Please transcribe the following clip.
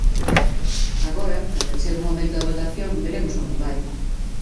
Agora, cando chegue o momento da votación, veremos como vai.